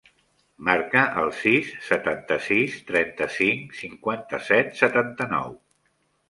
Marca el sis, setanta-sis, trenta-cinc, cinquanta-set, setanta-nou.